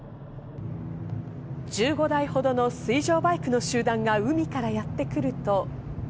１５台ほどの水上バイクの集団が海からやってくると。